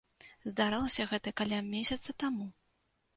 Здарылася гэта каля месяца таму.